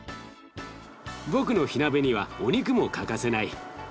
僕の火鍋にはお肉も欠かせない。